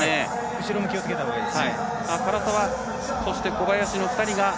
後ろも気をつけたほうがいいですよ。